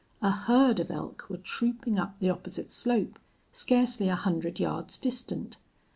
A herd of elk were trooping up the opposite slope, scarcely a hundred yards distant.